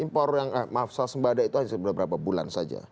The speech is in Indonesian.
soal sembada itu hanya beberapa bulan saja